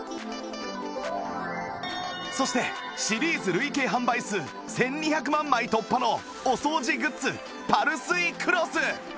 そしてシリーズ累計販売数１２００万枚突破のお掃除グッズパルスイクロス